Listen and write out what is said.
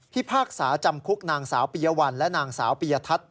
พากษาจำคุกนางสาวปียวัลและนางสาวปียทัศน์